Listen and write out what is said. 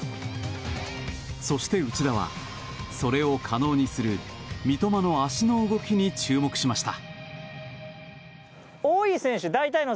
そして内田は、それを可能にする三笘の足の動きに注目しました。